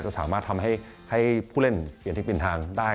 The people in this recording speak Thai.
สามารถทำให้ผู้เล่นเปลี่ยนทิศเป็นทางได้